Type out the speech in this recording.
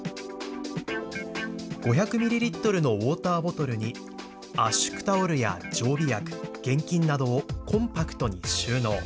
５００ミリリットルのウォーターボトルに圧縮タオルや常備薬、現金などをコンパクトに収納。